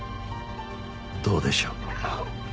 どうでしょう。